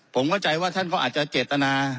ผมเข้าใจว่าท่านก็อาจจะเจตนา